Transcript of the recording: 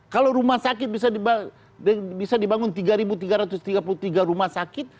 kalau rumah sakit bisa dibangun tiga tiga ratus tiga puluh tiga rumah sakit